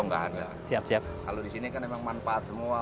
kalau di sini kan memang manfaat semua